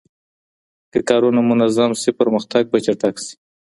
که کارونه منظم سي پرمختګ به چټک سي.